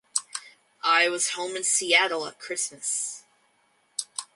I was home in Seattle at Christmas.